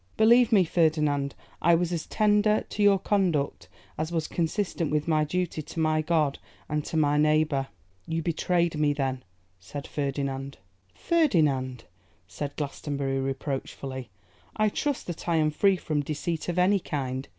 Believe me, Ferdinand, I was as tender to your conduct as was consistent with my duty to my God and to my neighbour.' 'You betrayed me, then,' said Ferdinand. 'Ferdinand!' said Glastonbury reproachfully, 'I trust that I am free from deceit of any kind.